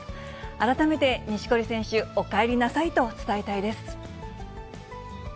改めて錦織選手、おかえりなさいと伝えたいです。